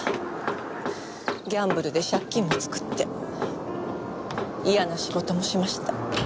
ギャンブルで借金も作って嫌な仕事もしました。